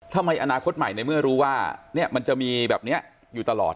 ทำไมอนาคตใหม่ในเมื่อรู้ว่ามันจะมีแบบนี้อยู่ตลอด